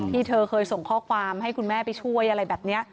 เธอเคยส่งข้อความให้คุณแม่ไปช่วยอะไรแบบนี้